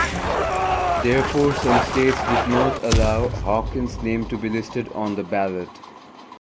Therefore, some states did not allow Hawkins's name to be listed on the ballot.